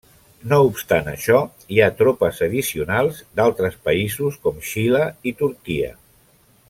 No obstant això, hi ha tropes addicionals d'altres països com Xile i Turquia.